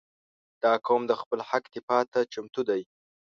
• دا قوم د خپل حق دفاع ته چمتو دی.